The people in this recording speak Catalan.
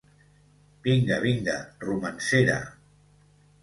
Vinga, vinga, romancera.